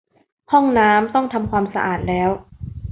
ห้องน้ำต้องทำความสะอาดแล้ว